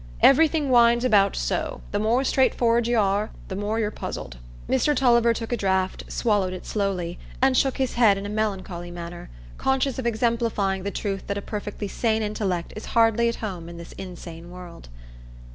Everything winds about so—the more straightforrad you are, the more you're puzzled." Mr Tulliver took a draught, swallowed it slowly, and shook his head in a melancholy manner, conscious of exemplifying the truth that a perfectly sane intellect is hardly at home in this insane world.